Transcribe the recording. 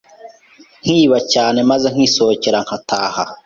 nkiba cyane maze nkisohokera nkataha